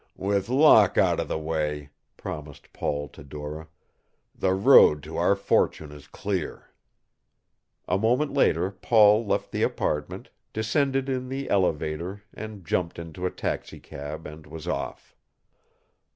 "With Locke out of the way," promised Paul to Dora, "the road to our fortune is clear." A moment later Paul left the apartment, descended in the elevator, and jumped into a taxicab and was off.